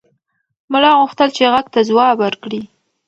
ملا غوښتل چې غږ ته ځواب ورکړي.